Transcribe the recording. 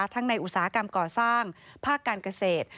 ในอุตสาหกรรมก่อสร้างภาคการเกษตร